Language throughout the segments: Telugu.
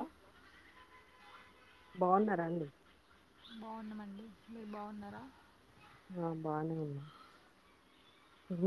ఆ బాగున్నారా అండి బాగున్నామండి మీరు బాగున్నారా ఆ బానే ఉన్నాం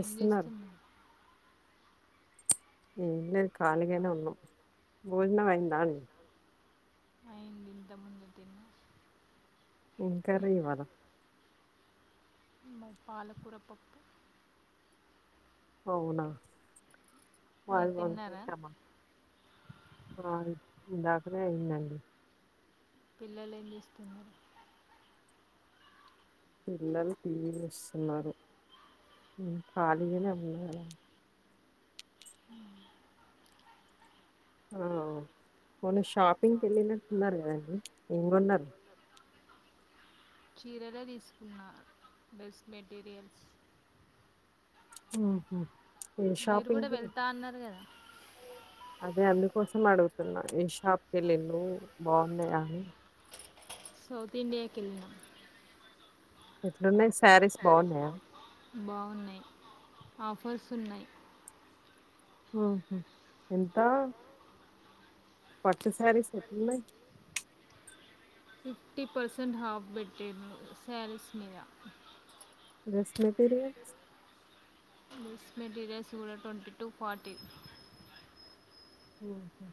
ఏం చేస్తున్నా ఏం లేదు ఖాళీ గానే ఉన్నాం భోజనం అయిందా అండి అయింది ఇంత ముందు తిన్న ఏం కర్రీ ఇవాళ మ పాలకూ పప్పు అవునా పాలు పొంగి పెట్టమ్మా ఇందాకనే అయిందండి పిల్లలు ఏం చేస్తున్నారు పిల్లలు టీవీ చూస్తున్నారు ఖాళీగానే ఉన్నారా ఉమ్ ఆ మొన్న షాపింగ్కి వెళ్ళినట్టున్నారు కదండి ఏం కొన్నారు చీరలే తీసుకున్నా డ్రెస్ మెటీరియల్స్ ఉహూ మీరు కూడా వెళ్తా అన్నారు కదా అదే అందుకోసం అడుగుతున్నా ఏ షాప్కి వెళ్లిర్రు బాగున్నాయా అని సౌత్ ఇండియాకి వెళ్ళిన ఎట్లున్నాయి శారీస్ బావున్నాయా బాగున్నాయి ఆఫర్స్ ఉన్నాయి ఉహూ ఎంత పట్టు శారీస్ ఎట్లున్నాయి ఫిఫ్టీ పర్సెంట్ హాఫ్ పెట్టిండు శారీస్ మీద డ్రెస్ మెటీరియల్స్ డ్రెస్ మెటీరియల్స్ కూడా ట్వంటీ టూ ఫార్టీ ఆహా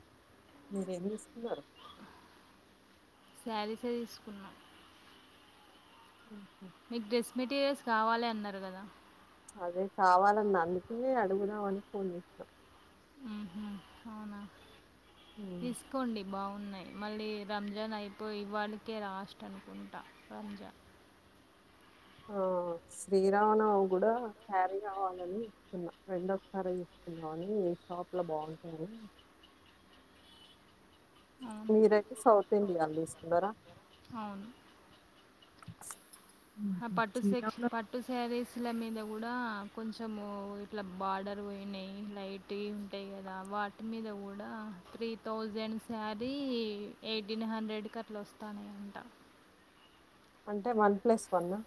మీరేం తీసుకున్నారు శారీస్ ఏ తీసుకున్నాం ఉమ్ మీకు డ్రెస్ మెటీరియల్స్ కావాలి అన్నారు కదా అదే కావాలన్న అందుకనే అడుగుదామ అని ఫోన్ చేసినా ఉహూ అవునా తీసుకోండి బాగున్నాయి మళ్ళీ రంజాన్ అయిపోయి వరికే రాస్ట్ అనుకుంటా రంజాన్ ఆ శ్రీరామనవు కూడా శారీ కావాలని చూస్తున్న రెండు ఒకేసారి తీసుకుందామని ఏ షాప్ లో బాగుంటాయని మీరు అయితే సౌత్ ఇండియా లో తీసు ఇంగ రా అవును ఆ పట్టు సెక్ష్ పట్టు శారీస్ల మీద కూడా కొంచెము ఇట్లా బార్డర్ పోయినాయి లైట్ యి ఉంటయి కదా, వాటి మీద గూడా త్రీ థౌజండ్ శారీ ఎయిటీన్ హండ్రెడ్క్ అట్లా వస్తనయి అంట. అంటే వన్ ప్లస్ వన్నా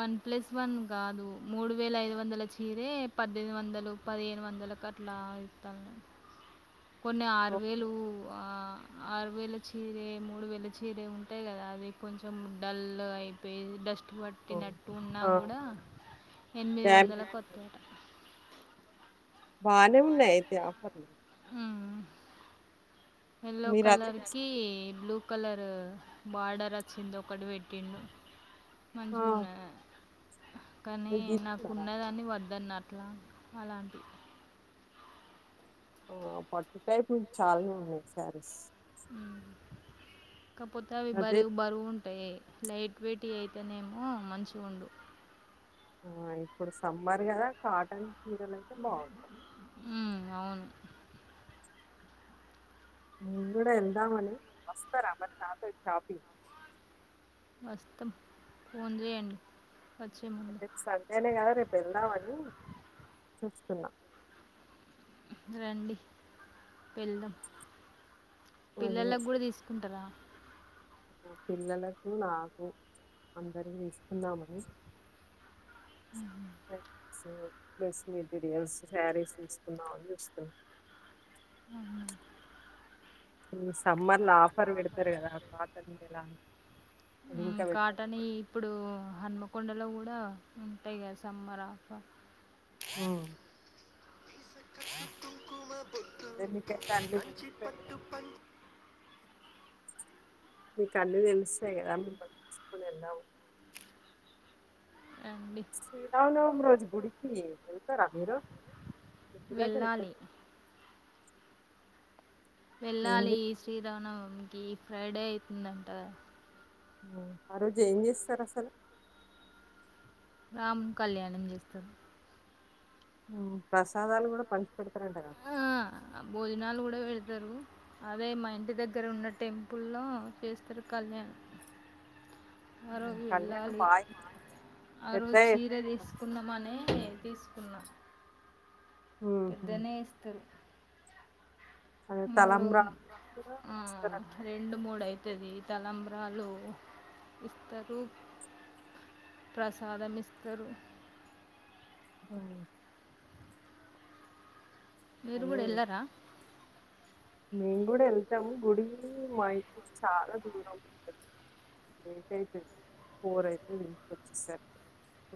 వన్ ప్లస్ వన్ గాదు మూడు వేల ఐదు వందల చీరే పద్దెనిమిది వందలు, పదిహేను వందలకు అట్లా ఇస్తాన్రు. కొన్ని ఆరు వేలు ఆ ఆరు వేల చీరె, మూడు వేల చీరె ఉంటాయి కదా అది కొంచెం డల్ అయిపోయి డస్ట్. వట్టినట్టు ఉన్నా కూడా ఎనిమిది వందల కొత్తదట బానే ఉన్నాయి అయితే ఆఫర్లు ఎల్లో కలర్ కి బ్లూ కలరు బార్డర్ వచ్చింది ఒకటి పెట్టిండు మంచి గున్నాయా కానీ నాకున్నదాన్ని వద్దన్నార్ ట్లా అలాంటియ్ ఆ పట్టు టైపు చాల్నే ఉన్నయ్ శారీస్ కాపోతే అవి బరివు బరువు ఉంటాయ్ లైట్ ట్వీటీ అయితేనేమో మంచి ఉండు ఆ ఇప్పుడు సమ్మర్ కదా కాటన్ చీరలైతే బాగుంటాయ్ నేం గూడ వెళ్దామని వస్తం ఫోన్ జేయండి రేపు సండేనే కదా రేపు వెళ్దామని చూస్తున్నా రండి వెళ్దాం పిల్లల్లకి కూడా తీసుగుంటరా ఆ పిల్లలకు నాకు అందరిగి దీస్కుందామని [unintelligible] సో ప్లస్ మెటీరియల్స్ శారీస్ తీసుకున్నామని చూస్తున్నా ఆహ ఈ సమ్మర్ లో ఆఫర్లు పెడుతరు కదా [unintelligible] లా మ్మ్ కాటనియి ఇప్పుడు హనుమ కొండలో కూడా ఉంటయిగా సమ్మరాఫర్ ఆ ప్రేమిస్తే ప్యామిలీ [unintelligible] దా మీకు అన్నీ తెలుస్సాయి కదా మిమ్మల్ని తీసుకొని వెళ్దాము శ్రీరావునవ్ మ్ రోజు గుడికి వెళ్తారా మీరు [unintelligible] వెళ్ళాలి శ్రీరామనవమి దనికి ఫ్రైడే అవుతుందంట. ఆ రోజు ఏం చేస్తారు అసలు రాము కళ్యాణం చేస్తారు. ప్రసాదాలు కూడా పంచ ఆ బోజినాలు కూడా వెళతు ఇద్దరు అదే మా ఇంటి దగ్గర ఉన్న టెంపుల్లో చేస్తారు కళ్యాణ్ ఆ రోజు వెళ్ళాలి ఆ రోజు చీర తీసుకుందమని తీసు సున్నా పెద్దనే ఇస్తరు మూడు ఆ రెండు మూడు అయితే తది తలంబ్రాలు ఇస్తారు ప్రసాదం ఇస్తారు ఆ మీరు కూడా ఎలారా మేము కూడా వెళ్తాము గుడి మా ఇ చాలా దూరం ఉంటంది లేట్ అయితుంది పోర్ అయితే దసుకొచ్చేసారుకి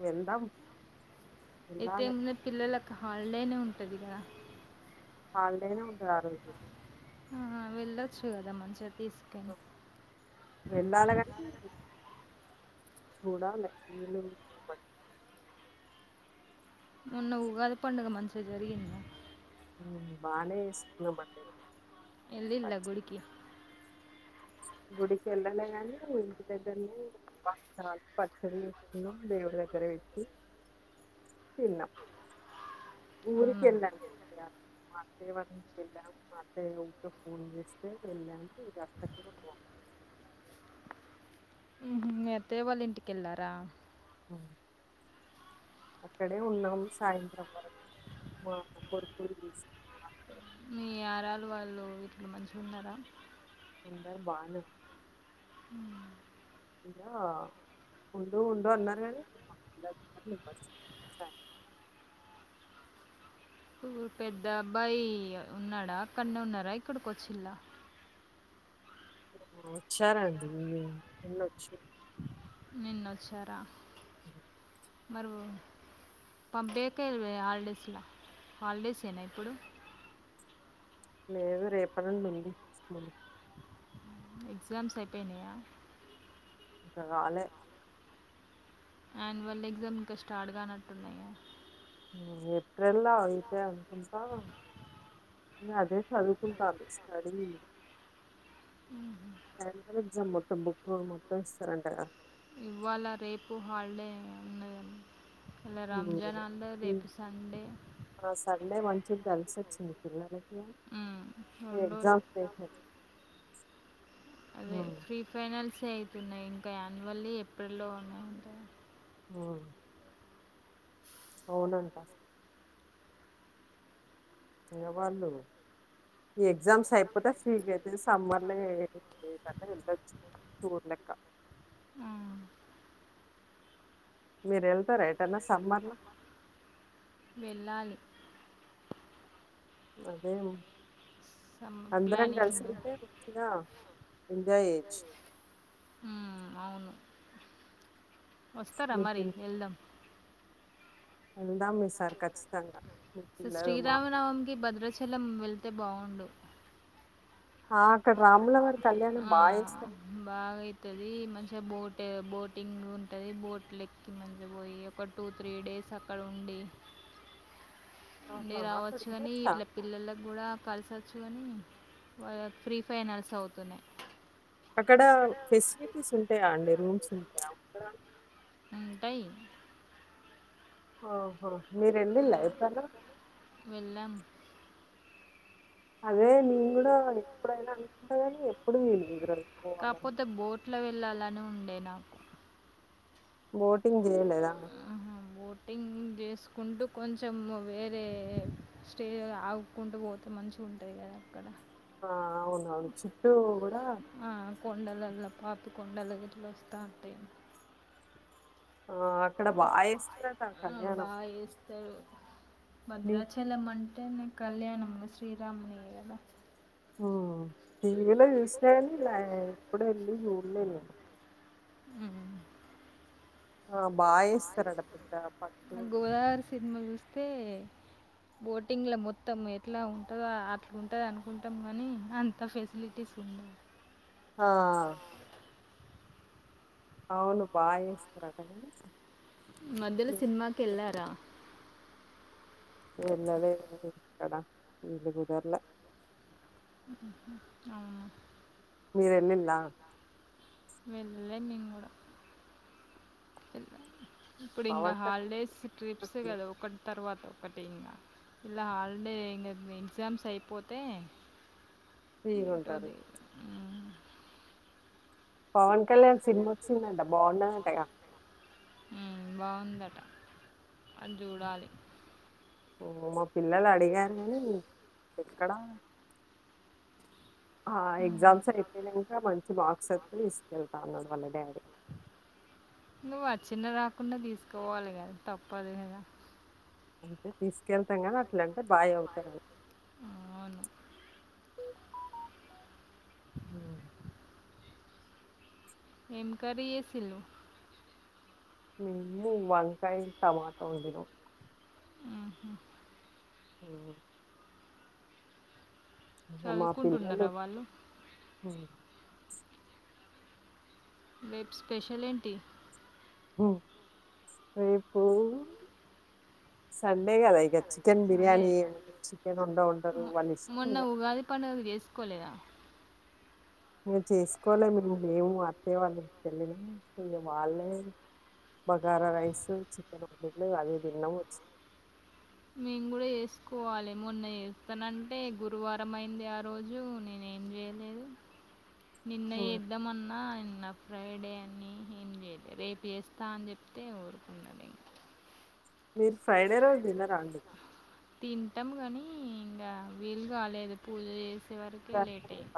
వెళ్దాం అయితేన్న పిల్లలక్క హాలిడేనే ఉంటది కదా హాలిడేనే ఉంటది ఆ రోజులో ఆ వెళ్ళొచ్చు కదా మంచి వెళ్ళాలి కానీ చూడాల వీలు మొన్న ఉగాది పండుగ మంచిగా జరిగింద బాగానే ఇస్తుస్తున్నామండి ఎల్లరా గుడికి గుడికి వెళ్ళలేగాని ఇంటి దగ్గరనే ప పచ్చడి చేకున్నాం దేవుడి దగ్గర వెట్ి తిన్నాం ఊరిక వెళ్ళాము మాత్తకి వెళ్ళాము మాటే ఊరి ఫోన్ చేస్తే వెళ్ళాము ఇ అక్క ఉ అతే వాళ్ళ ఇంటికెళ్ళారా అక్కడే ఉన్నాం సాయంత్రం వరకు మా పొరుకులు తీసి మీ ఆరాలు వాళ్ళు ఇట్లో మంచిగా ఉన్నారా అందరు బాను హ ఉండు ఉండు అన్నారు కాని రు పెద్ద అబ్బాయి ఉన్నాడా అక్కన్న ఉన్నారా ఇక్కడికి వచ్చిలా వచ్చారంండి నిన్నొచ్చ నిన్న వచ్చారా మరి పంపేక హాలిడేస్లో హాలిడేస్ ఏనా ఇప్పుడు లేదు రేప నుండి ఉంది ఎగ్జామ్స్ అయిపోయినాయా ఇకా కాలే యాన్యువల్ ఎగ్జామ్ ఇంకా స్టార్ట్ కానట్టున్నాయా ఏప్రిల్ల్లో అయితే అనుకుంటా న అదే చదువుకుంటాను స్టడీ సంట్రల్ ఎగ్జామ్ మొత్తం బుక్ మొత్తం ఇస్తారెంటగా ఇలా రంజాన్ అంట రేపు సండే చూడ కలిసి వచ్చింది పిల్లలే ఎగ్జామ్స్ అదే ఫీ ఫైనాల్స్ అన్ని అయిపోనాయి ఇంకా యాన్యువల్ ఏప్రిల్ లో ఉన్నాయింట. ఆవును అవునంట ఇం వాళ్ళు ఈ ఎగ్జామ్స్ అయిపోతే ఫ్రీగా అయితే సమ్మర్లే లేద వెళ్ళచు టూర్ అట్లా మీరు వెళ్తారా ఏటన్నా సమ్మర్లు వెళ్ళాలి అదే అందరం కలిసి వెళ్తే ముద్దుగా ఎంజాయ్ ఏజ్ వస్తారా మరి వెళ్దాం. వెళ్దాం ఈ సారీ ఖచ్చితంగా. స శ్రీరామ నవంకి భద్రచ చలం వెళ్తే బాగుండు. ఆ బాగాయితుది మంచి బోట్, బోటింగ్ ఉంటుంది. బోట్ లెక్కి మంచిగా పోయి ఒక టూ త్రీ డేస్ అక్కడ ఉండి. లే రావచ్చు కాని, ఇట్లా పిల్లలకి కూడా కలిసొచ్చు కాని వాళ్ ఫ్రీ ఫైనల్స్ అవుతున్నాయి. అక్కడ ఫెసిలిటీస్ ఉంటాయా అండి. రూమ్స్ ఉంటాయా అక్కడ ఉంటాయి. ఆహో మీరు వెళ్ళిళ ఏప్పుడన్న అదే నేను కూడా ఎప్పుడైనా అనుకుంటా కానీ, ఎప్పుడు వీళ్లు కుదరలేకపోవాలని ఏనాకు బోటింగ్ చేయలేదా. చేసుకుంటూ కొంచెం వేరే స్టేజ్లో ఆగుకుంటూ పోతే మంచిగాగుంటుంది కదా అక్కడ. ఆ అవునవును చట్టూ కూడా కొండాలుగట్లు ఉంటా అంటి ఆ అక్కడ బాగాస్తారట కళ్యాణం. భద్రాచలం అం అంటన్న కళ్యాణముంలో శ్రీరాముని ఎలా ఊ టీవీలో చూస్తేని ఇలా ఏప్పుడ వెలి చూడలేదు. హు ఆ బాగాస్తారుడపిద్ద పటు బోటింగ్లో మొత్తం ఎట్లా ఉంటుందో అట్లా ఉంటుంది అనుకుంటాం కానీ అంత ఫెసిలిటీస్ ఉండవు ఆ అవును బా ఇస్తారంట మధ్యలో సినిమాకి ఎళ్ళారా వెళ్ళలేదు. క్కడ నీళ కుదర్ల అవును మీరు వెళ్లిళ్ల వెళ్లే ని కూడా వెళ్ల ఇప్పుడు ఇంకా హాలిడేస్ ట్రిప్స్ కదా ఒకటి తర్వాత ఒకటింగా ఇలా హాలిడే ఇ ఎగ్జామ్స్ అయిపోతే ఏటోది పవన్ కళ్యాణ్ సినిమా వచ్చిందంట బాగున్నదంటగా అది చూడాలి మా పిల్లలు అడిగారు కాని ఎక్కడా ఆ ఎగ్జామ్స్ అయిపోయినాక మంచి మార్క్స్ ఎ తీసుకెళ్తా ఉన్నాడు వాళ్ళ డాడీ నువ్వు వచ్చిన రాకున్న తీసుకోవాలి కదా తప్పదు కదా అంటే తీసుకెళ్తాం కదా అట్లండి అ బాగా అవుతారు అ ఏం కర్రీ చేసిల్లు మిమ్ము వంకాయ టమాట వండినం ఆహ మా పిల్లలు రేప్ స్పెషల్ ఏంటి రేపు సండేగాదయిక చికెన్ బిర్యానీ ఏమి చికెన్ ఉండ ఉండారు వాళ్ళు ఇష్టం ఇక ఇక చేసుకోలే మేము లేము అత్తయ్య వాళ్ళ ఇంటికి ఇక వాళ్ళే బగారా రైస్ చికెన్ ఉలీలు అది తిన్నాము వచ్చిన మేము కూడా చేసుకోవాలే మొన్న చేస్తానంటే గురువారం అయింది ఆ రోజు నేనే ఏం చేయలేదు నిన్నేద్దాంమన్నా న్న ఫ్రైడే అని ఏం చేయాలే రేపు చేస్తా అని చెప్తే ఊరుకున్నాడు ఇంకా మీరు ఫ్రైడే రోజు తిన్నరా అండి ఇగా వీలుగాలేదు పూజ చివరకే లేట్ అయ్యింది